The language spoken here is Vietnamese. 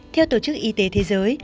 theo tổ chức y tế thế giới